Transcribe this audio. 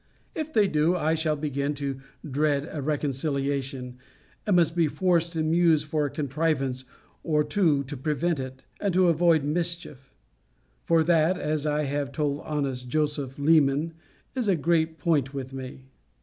If they do I shall begin to dread a reconciliation; and must be forced to muse for a contrivance or two to prevent it, and to avoid mischief. For that (as I have told honest Joseph Leman) is a great point with me.